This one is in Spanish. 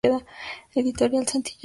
Editorial Santillana.